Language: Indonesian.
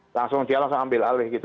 langsung dia langsung ambil alih gitu